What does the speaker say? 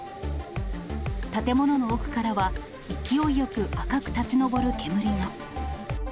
建物の奥からは、勢いよく赤く立ち上る煙が。